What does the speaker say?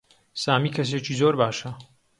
سامی کەسێکی زۆر باشە.